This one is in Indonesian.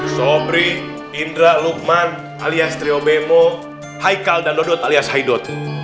sobri indra lukman alias trio bemo haikal dan dodot alias haidot